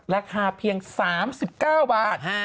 ราคาเพียง๓๙บาท